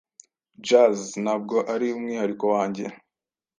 Jazz ntabwo ari umwihariko wanjye